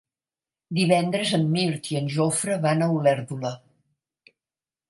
Divendres en Mirt i en Jofre van a Olèrdola.